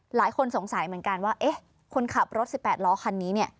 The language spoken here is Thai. หลายคนสงสัยเหมือนกันว่าเอ๊ะคนขับรถ๑๘ล้อคันนี้เนี่ย